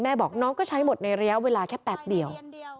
บอกน้องก็ใช้หมดในระยะเวลาแค่แป๊บเดียว